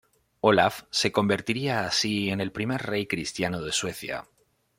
Olaf se convertiría así en el primer rey cristiano de Suecia.